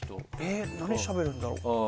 何しゃべるんだろう？